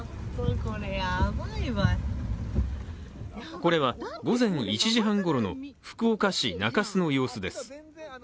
これは午前１時半ごろの福岡市中洲の様子です。